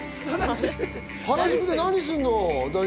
原宿で何するの？